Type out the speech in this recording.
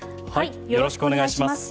よろしくお願いします。